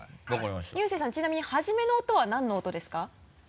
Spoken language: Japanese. ゆうせいさんちなみに初めの音は何の音ですか？